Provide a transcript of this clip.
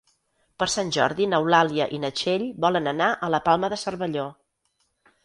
Per Sant Jordi n'Eulàlia i na Txell volen anar a la Palma de Cervelló.